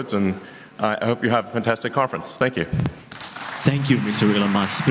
lima tahun lalu atau sepuluh tahun lalu atau dua puluh tahun lalu